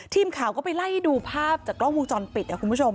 ทีมข่าวก็ไปไล่ดูภาพจากกล้องมูลจรปิด